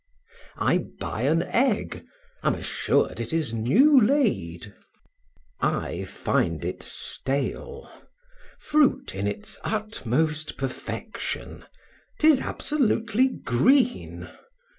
I buy an egg, am assured it is new laid I find it stale; fruit in its utmost perfection 'tis absolutely green.